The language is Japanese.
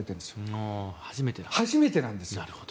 これが初めてなんですよ。